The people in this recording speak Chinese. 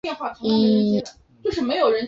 没有被告否认有罪。